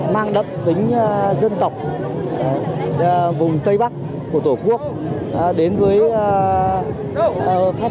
mang đậm tính dân tộc vùng tây bắc của tổ quốc đến với